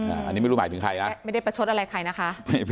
อันนี้ไม่รู้หมายถึงใครนะ